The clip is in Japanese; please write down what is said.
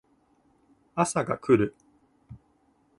朝が来る